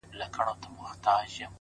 زه چي کور ته ورسمه هغه نه وي؛